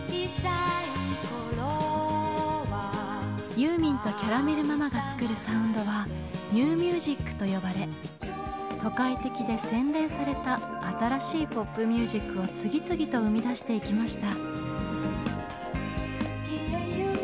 ユーミンとキャラメル・ママが作るサウンドはニューミュージックと呼ばれ都会的で洗練された新しいポップミュージックを次々と生み出していきました。